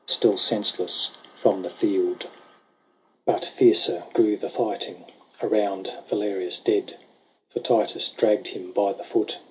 Still senseless, from the field. XVIII. But fiercer grew the fighting Around Valerius dead ; For Titus dragged him by the foot.